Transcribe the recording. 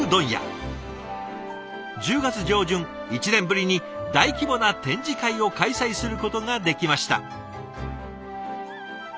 １０月上旬１年ぶりに大規模な展示会を開催することができました。